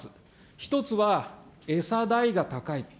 一つは餌代が高い。